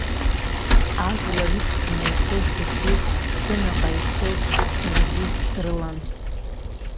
Ажәлар ықәҵны ианцоз гәыԥҩык, Ҭхьынаҟа ицоз, саргьы срылан.